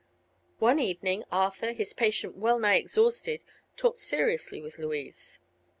One evening Arthur, his patience well nigh exhausted, talked seriously with Louise.